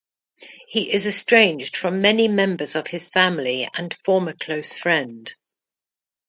He is estranged from many members of his family and former close friend.